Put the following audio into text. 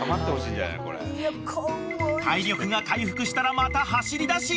［体力が回復したらまた走りだし］